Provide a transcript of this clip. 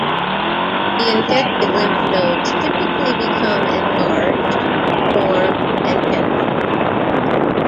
The infected lymph nodes typically become enlarged, warm and tender.